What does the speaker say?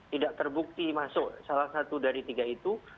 tidak terbukti masuk salah satu dari tiga itu